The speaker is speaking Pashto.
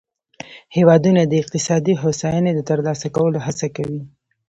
هیوادونه د اقتصادي هوساینې د ترلاسه کولو هڅه کوي